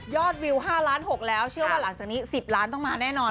วิว๕ล้าน๖แล้วเชื่อว่าหลังจากนี้๑๐ล้านต้องมาแน่นอน